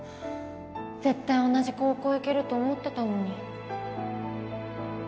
絶対同じ高校行けると思ってたのに。